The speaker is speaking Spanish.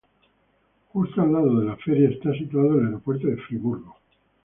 Justo al lado de la Feria está situado el aeropuerto de Friburgo.